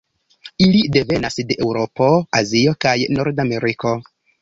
Ili devenas de Eŭropo, Azio, kaj Nordameriko.